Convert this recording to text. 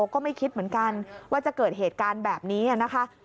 ก็ไม่คิดเหมือนกันว่าจะเกิดเหตุการณ์แบบนี้นะคะ